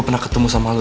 dewa temen aku